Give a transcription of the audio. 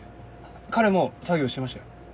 彼もう作業してましたよ。